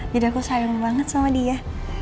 jadi aku sayang banget sama dia